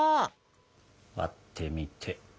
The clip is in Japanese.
割ってみて。